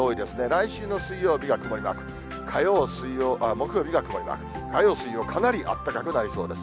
来週の水曜日が曇りマーク、火曜、水曜、木曜日が曇りマーク、火曜、水曜、かなり暖かくなりそうです。